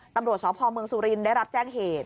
ตำรวจสพเมืองสุรินทร์ได้รับแจ้งเหตุ